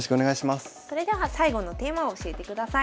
それでは最後のテーマを教えてください。